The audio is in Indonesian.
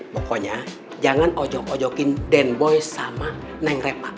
pokoknya jangan ojok ojokin dane boy sama neng repa